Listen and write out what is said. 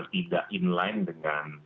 tidak inline dengan